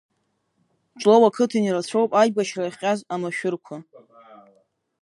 Ҷлоу ақыҭан ирацәоуп аибашьра иахҟьаз амашәырақәа.